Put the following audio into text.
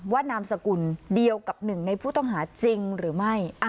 นามสกุลเดียวกับหนึ่งในผู้ต้องหาจริงหรือไม่